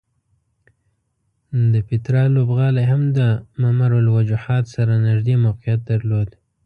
د پیترا لوبغالی هم د ممر الوجحات سره نږدې موقعیت درلود.